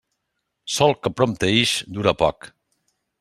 Sol que prompte ix, dura poc.